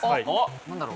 何だろう？